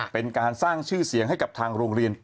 เป็นการสร้างชื่อเสียงให้กับทางโรงเรียน